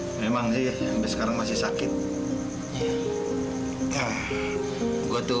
hai memang sih sekarang masih sakit ya